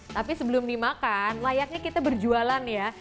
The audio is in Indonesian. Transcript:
tapi sebelum dimakan layaknya kita berjualan ya